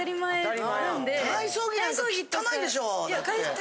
体操着なんかきったないでしょだって。